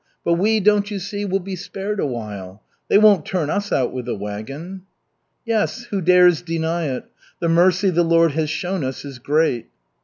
But we, don't you see, will be spared a while. They won't turn us out with the wagon." "Yes, who dares deny it? The mercy the Lord has shown us is great."